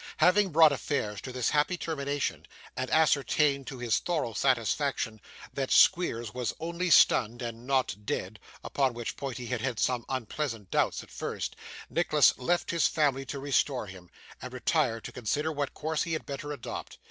Having brought affairs to this happy termination, and ascertained, to his thorough satisfaction, that Squeers was only stunned, and not dead (upon which point he had had some unpleasant doubts at first), Nicholas left his family to restore him, and retired to consider what course he had better adopt.